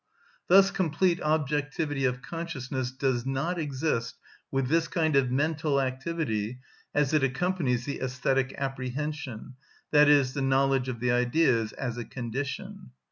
Thus complete objectivity of consciousness does not exist with this kind of mental activity, as it accompanies the æsthetic apprehension, i.e., the knowledge of the Ideas, as a condition.